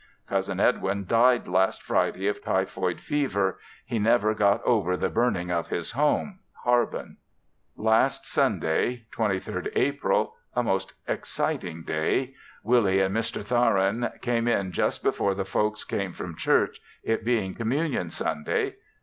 Cousin Edwin died last Friday of typhoid fever, he never got over the burning of his home. (Harbin.) Last Sunday, (23rd April) a most exciting day. Willie and Mr. Tharin came in just before the folks came from church, it being communion Sunday.